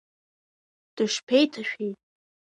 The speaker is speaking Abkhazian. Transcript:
Дышԥеиҭашәеи!